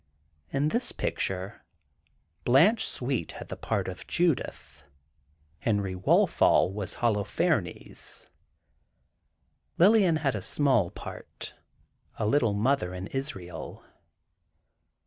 In this picture, Blanche Sweet had the part of Judith, Henry Walthall was Holofernes. Lillian had a small part, a little Mother in Israel.